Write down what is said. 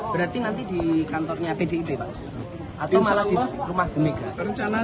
berarti nanti di kantornya pdip pak